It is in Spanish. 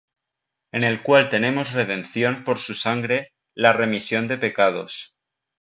En el cual tenemos redención por su sangre, la remisión de pecados: